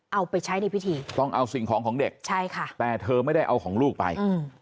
เอาไปใช้ในพิธีต้องเอาสิ่งของของเด็กใช่ค่ะแต่เธอไม่ได้เอาของลูกไป